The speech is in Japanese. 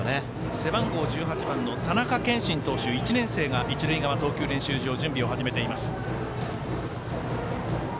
背番号１８の田中謙心投手が一塁側、投球練習場準備を始めています。